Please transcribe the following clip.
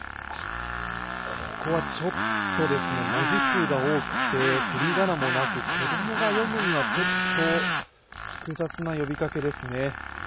ここはちょっとですね、文字数が多くて振り仮名もなく、子供が読むにはちょっと複雑な呼びかけですね。